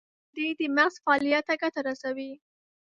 • شیدې د مغز فعالیت ته ګټه رسوي.